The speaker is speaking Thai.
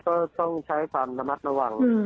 ก็ต้องใช้ความระมัดระวัง